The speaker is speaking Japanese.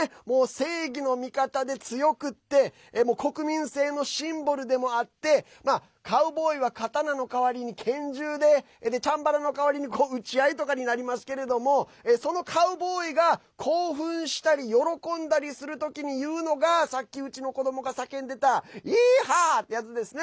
正義の味方で、強くて国民性のシンボルでもあってカウボーイは刀の代わりに拳銃でチャンバラの代わりに撃ち合いとかになるんですけどもそのカウボーイが興奮したり喜んだりする時に言うのがさっき、うちの子どもが叫んでたＹｅｅｈａｗ！ってやつですね。